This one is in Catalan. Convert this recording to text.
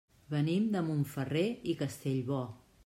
Venim de Montferrer i Castellbò.